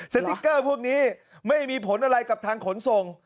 สติ๊กเกอร์พวกนี้ไม่มีผลอะไรกับทางขนส่ง